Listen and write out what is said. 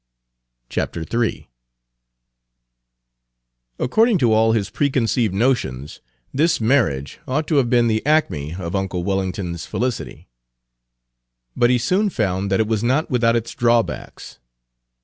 Page 246 III According to all his preconceived notions, this marriage ought to have been the acme of uncle Wellington's felicity. But he soon found that it was not without its drawbacks.